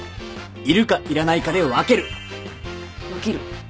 分ける。